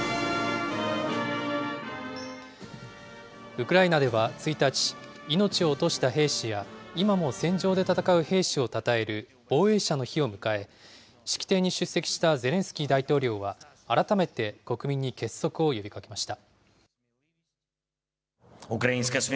ウクライナでは１日、命を落とした兵士や今も戦場で戦う兵士をたたえる防衛者の日を迎え、式典に出席したゼレンスキー大統領は、改めて国民に結束を呼びかけました。